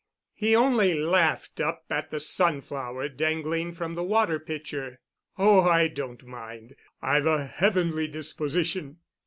He only laughed up at the sunflower dangling from the water pitcher. "Oh, I don't mind. I've a heavenly disposition."